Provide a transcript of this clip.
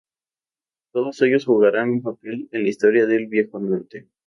Todos ellos jugarán un papel en la historia del Viejo Norte.